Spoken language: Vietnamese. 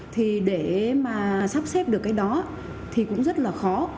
thì để mà sắp xếp được cái đó thì cũng rất là khó